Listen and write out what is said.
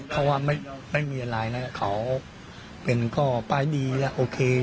เขาว่าไม่มีอะไรนะเขาเป็นก็ป้ายดีแล้วโอเค